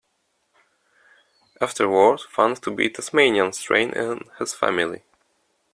Afterward found to be Tasmanian strain in his family!